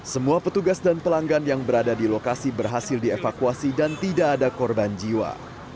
semua petugas dan pelanggan yang berada di lokasi berhasil dievakuasi dan tidak ada korban jiwa